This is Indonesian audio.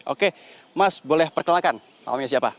oke mas boleh perkenalkan namanya siapa